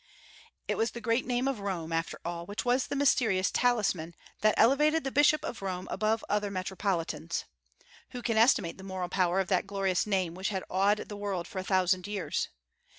It was the great name of ROME, after all, which was the mysterious talisman that elevated the Bishop of Rome above other metropolitans. Who can estimate the moral power of that glorious name which had awed the world for a thousand years?